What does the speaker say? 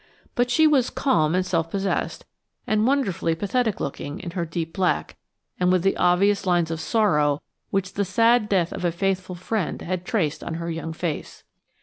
But she was calm and self possessed, and wonderfully pathetic looking in her deep black and with the obvious lines of sorrow which the sad death of a faithful friend had traced on her young face.